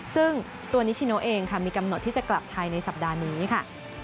ซึ่งตัวนิชิโนเองค่ะมีกำหนดที่จะกลับไทยในสัปดาห์นี้ค่ะ